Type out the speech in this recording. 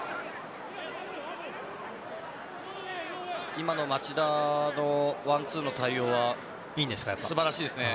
今の町田のワンツーの対応は素晴らしいですね。